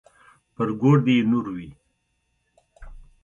پر ګور دې يې نور وي.